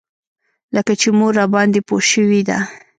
لکه چې مور راباندې پوه شوې ده.